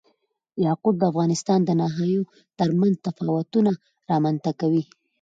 یاقوت د افغانستان د ناحیو ترمنځ تفاوتونه رامنځ ته کوي.